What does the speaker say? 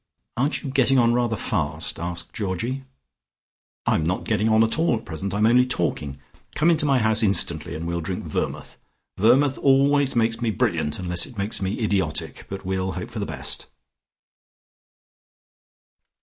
"Aren't you getting on rather fast?" asked Georgie. "I'm not getting on at all at present I'm only talking. Come into my house instantly, and we'll drink vermouth. Vermouth always makes me brilliant unless it makes me idiotic, but we'll hope for the best."